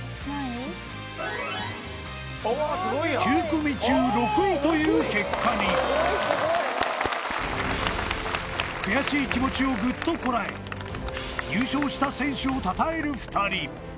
９組中６位という結果に悔しい気持ちをぐっとこらえ入賞した選手をたたえる２人